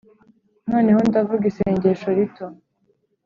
noneho, ndavuga isengesho rito